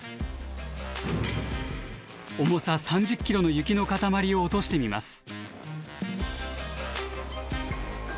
重さ３０ｋｇの雪の塊を落としてみます。